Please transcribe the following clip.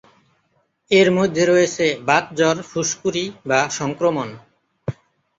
এর মধ্যে রয়েছে বাত জ্বর, ফুসকুড়ি, বা সংক্রমণ।